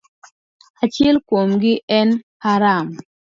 Achiel kuomgi en Haran.